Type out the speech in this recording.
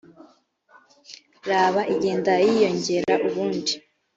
raba igenda yiyongera ubundi